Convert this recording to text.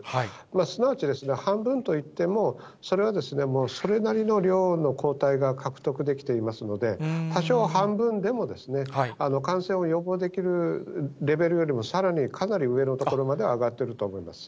すなわち、半分と言っても、それはもう、それなりの量の抗体が獲得できていますので、多少半分でも、感染を予防できるレベルよりもさらに、かなり上のところまで上がってると思います。